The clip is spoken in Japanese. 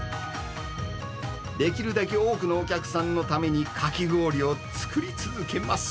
できるだけ多くのお客さんのために、かき氷を作り続けます。